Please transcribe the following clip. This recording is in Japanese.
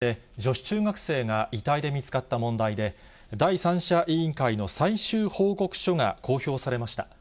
北海道旭川市の公園で、女子中学生が遺体で見つかった問題で、第三者委員会の最終報告書が公表されました。